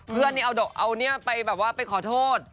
เพื่อนนี่เอาเนี่ยไปแบบว่าไปขอโทษ